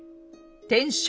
天正